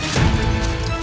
akan kau menang